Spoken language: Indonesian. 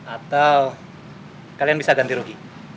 atau kalian bisa ganti rugi